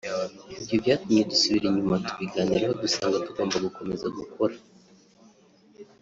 Ibyo byatumye dusubira inyuma tubiganiraho dusanga tugomba gukomeza gukora